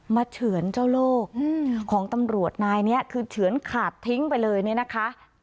เฉือนเจ้าโลกของตำรวจนายนี้คือเฉือนขาดทิ้งไปเลยเนี่ยนะคะ